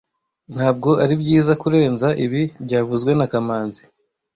Ntabwo aribyiza kurenza ibi byavuzwe na kamanzi